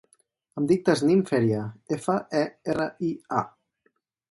Em dic Tasnim Feria: efa, e, erra, i, a.